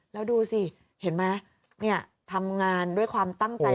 แล้วดูสิเห็นไหมเนี่ยทำงานด้วยความตั้งใจ